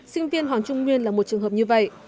sinh viên hoàng trung nguyên là một trường hợp như vậy